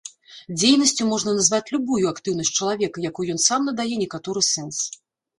Дзейнасцю можна назваць любую актыўнасць чалавека, якой ён сам надае некаторы сэнс.